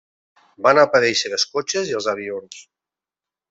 Van aparèixer els cotxes i els avions.